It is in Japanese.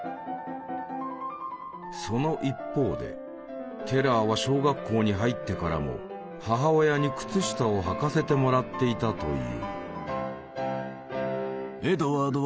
その一方でテラーは小学校に入ってからも母親に靴下を履かせてもらっていたという。